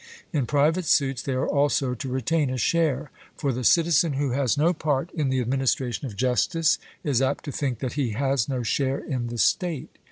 In private suits they are also to retain a share; 'for the citizen who has no part in the administration of justice is apt to think that he has no share in the state.